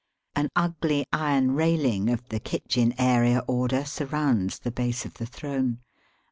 An ugly iron railing of the kitchen area order surrounds the base of the throne.